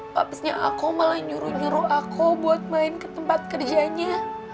habisnya aku malah nyuruh nyuruh aku buat main ke tempat kerjanya